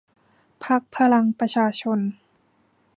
พรรคพลังประชาชน